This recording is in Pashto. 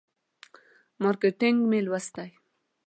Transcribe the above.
مارکیټینګ مې لوستی.